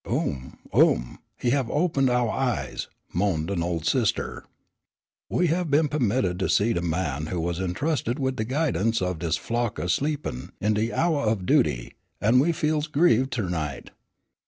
"Oom oom oom, he have opened ouah eyes," moaned an old sister. "We have been puhmitted to see de man who was intrusted wid de guidance of dis flock a sleepin' in de houah of duty, an' we feels grieved ter night."